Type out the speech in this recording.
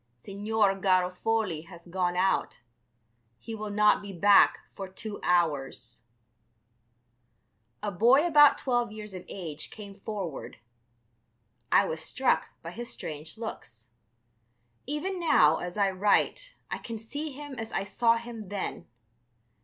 "Signor Garofoli has gone out; he will not be back for two hours." A boy about twelve years of age came forward. I was struck by his strange looks. Even now, as I write, I can see him as I saw him then.